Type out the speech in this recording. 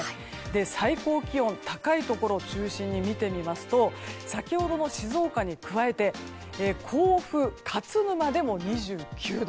最高気温、高いところを中心に見てみますと先ほどの静岡に加えて甲府、勝沼でも２９度。